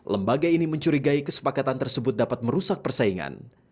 lembaga ini mencurigai kesepakatan tersebut dapat merusak persaingan